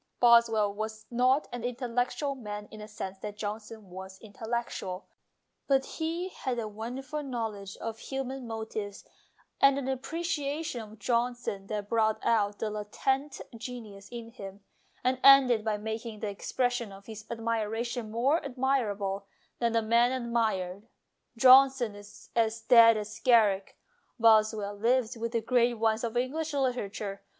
Boswell was not an intellectual man in the sense that Johnson was intellectual, but he had a wonderful knowledge of human motives and an appreciation of Johnson that brought out the latent genius in him, and ended by making the expression of his admiration more admirable than the man admired. Johnson is as dead as Garrick. 230 MONOLOGUES Boswell lives with the great ones of English literature.